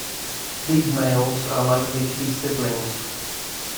These males are likely to be siblings.